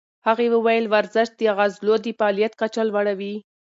هغې وویل ورزش د عضلو د فعالیت کچه لوړوي.